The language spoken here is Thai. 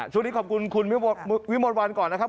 ช่วงนี้ขอบคุณคุณวิมวลวันก่อนนะครับ